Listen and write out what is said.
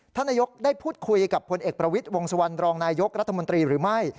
ท่านนายกได้พูดคุยกับพลเอกประวิทย์วงสุวรรณรองนายยกรัฐมนตรีหรือไม่